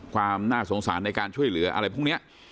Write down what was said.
ความน่าสงสารในการช่วยเหลืออะไรพวกนี้